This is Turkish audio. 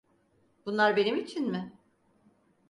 Bunlar benim için mi?